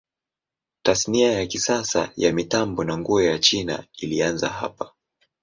Tasnia ya kisasa ya mitambo na nguo ya China ilianza hapa.